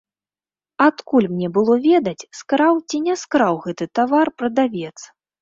Адкуль мне было ведаць, скраў ці не скраў гэты тавар прадавец?